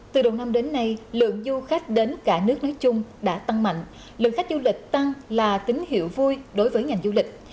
từ đầu năm đến nay lượng du khách đến cả nước nói chung đã tăng mạnh lượng khách du lịch tăng là tín hiệu vui đối với ngành du lịch